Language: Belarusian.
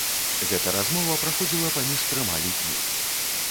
Гэта размова праходзіла паміж трыма людзьмі.